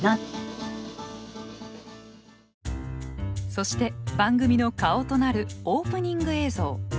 そして番組の顔となるオープニング映像。